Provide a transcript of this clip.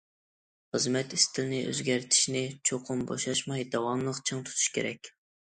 خىزمەت ئىستىلىنى ئۆزگەرتىشنى چوقۇم بوشاشماي داۋاملىق چىڭ تۇتۇش كېرەك.